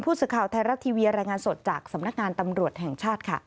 สื่อข่าวไทยรัฐทีวีรายงานสดจากสำนักงานตำรวจแห่งชาติค่ะ